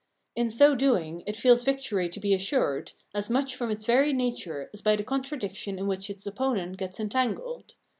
In so doing it feels victory to be assured, as much from its very nature as by the contradiction in which its opponent gets entangled.